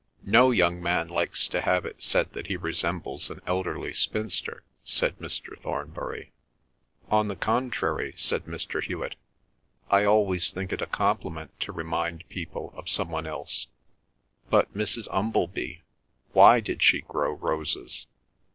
"No young man likes to have it said that he resembles an elderly spinster," said Mr. Thornbury. "On the contrary," said Mr. Hewet, "I always think it a compliment to remind people of some one else. But Miss Umpleby—why did she grow roses?"